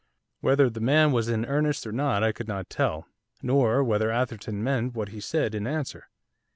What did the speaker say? Whether the man was in earnest or not I could not tell, nor whether Atherton meant what he said in answer.